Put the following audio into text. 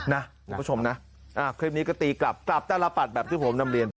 นะคุณผู้ชมนะคลิปนี้ก็ตีกลับกลับตลปัดแบบที่ผมนำเรียนไป